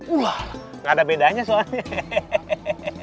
wah gak ada bedanya soalnya